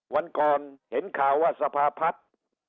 วันก่อนเห็นข่าวว่าสภาพัฒน์